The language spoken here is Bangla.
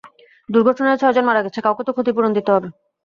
দুর্ঘটনায় ছয়জন মারা গেছে, কাউকে তো ক্ষতিপূরণ দিতে হবে।